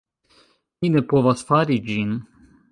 Mi ne povas fari ĝin.